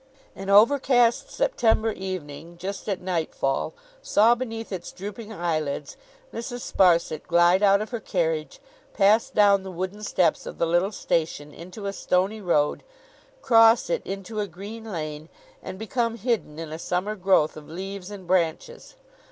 An overcast September evening, just at nightfall, saw beneath its drooping eyelids Mrs. Sparsit glide out of her carriage, pass down the wooden steps of the little station into a stony road, cross it into a green lane, and become hidden in a summer growth of leaves and branches.